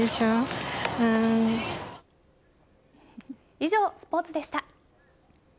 以上、スポーツでした。